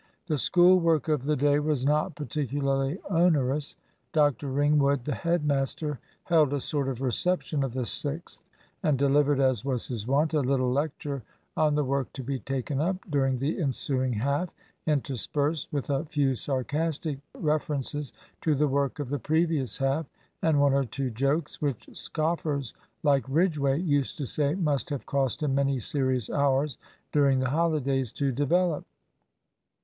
The school work of the day was not particularly onerous. Dr Ringwood, the head master, held a sort of reception of the Sixth, and delivered, as was his wont, a little lecture on the work to be taken up during the ensuing half, interspersed with a few sarcastic references to the work of the previous half, and one or two jokes, which scoffers like Ridgway used to say must have cost him many serious hours during the holidays to develop.